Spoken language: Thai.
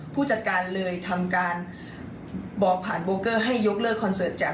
ผู้จัดการเลยทำการบอกผ่านโบเกอร์ให้ยกเลิกคอนเสิร์ตจาก